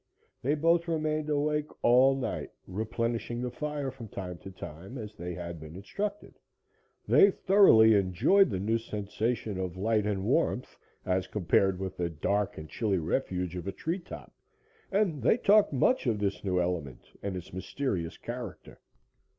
They both remained awake all night, replenishing the fire from time to time, as they had been instructed. They thoroughly enjoyed the new sensation of light and warmth as compared with the dark and chilly refuge of a tree top, and they talked much of this new element and its mysterious character.